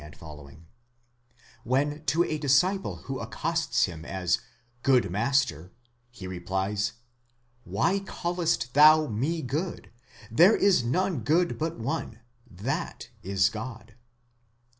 18 ἢ), when to a disciple who accosts him as Good Master, he replies: Why callest thou me good? there.is none good but one, that ts God.